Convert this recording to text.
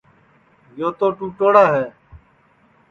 یو تو ٹُوٹوڑا ہے